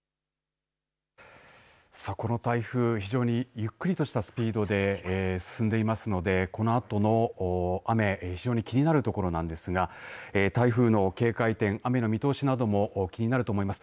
この台風非常にゆっくりとしたスピードで進んでいますのでこのあとの雨、非常に気になるところなんですが台風の警戒点、雨の見通しなども気になると思います。